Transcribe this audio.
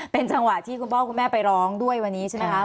เป็นจังหวะที่คุณพ่อคุณแม่ไปร้องด้วยวันนี้ใช่ไหมคะ